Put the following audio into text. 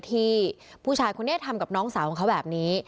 ที่ผู้ชายคนนี้ทำกับน้องสาวของเขาแบบนี้